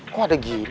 kok ada gina